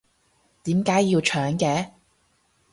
點解要搶嘅？